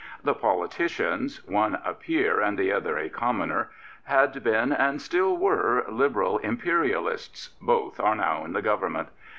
The politicians — one a Peer and the other a Commoner — ^had been and still were Liberal Imperialists; both are now in the Govern ment.